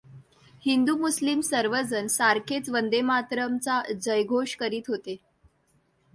हिदू मुस्लिम सर्वजण सारखेच वंदे मातरम् चा जयघोष करीत होते.